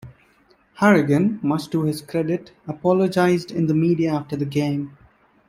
Harrigan, much to his credit, apologised in the media after the game.